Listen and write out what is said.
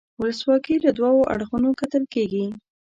ولسواکي له دوو اړخونو کتل کیږي.